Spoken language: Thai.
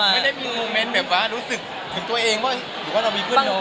ไม่ได้มีโมเมนต์แบบว่ารู้สึกถึงตัวเองว่าหรือว่าเรามีเพื่อนเรา